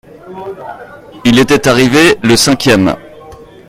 il était arrivé le cinquième.